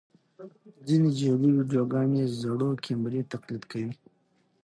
ځینې جعلي ویډیوګانې زړو کمرې تقلید کوي.